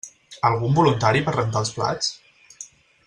Algun voluntari per rentar els plats?